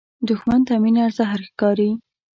دښمن ته مینه زهر ښکاري